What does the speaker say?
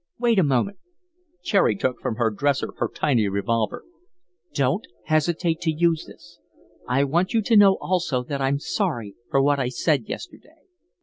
Wait a moment." Cherry took from the dresser her tiny revolver. "Don't hesitate to use this. I want you to know also that I'm sorry for what I said yesterday."